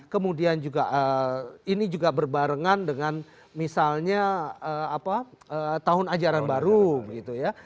kemudian juga ini juga berbarengan dengan misalnya tahun ajaran baru gitu ya